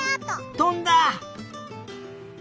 とんだ！